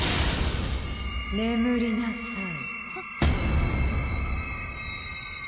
眠りなさい。